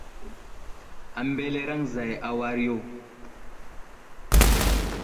Ambelereŋ zay a war yo.